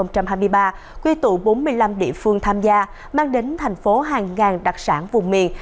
năm hai nghìn hai mươi ba quy tụ bốn mươi năm địa phương tham gia mang đến thành phố hàng ngàn đặc sản vùng miền